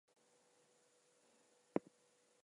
With his subtle smile, Lord Henry watched him.